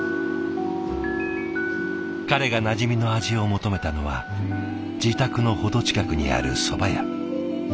彼がなじみの味を求めたのは自宅の程近くにあるそば屋。